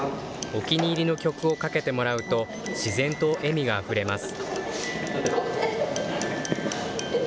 お気に入りの曲をかけてもらうと、自然と笑みがあふれます。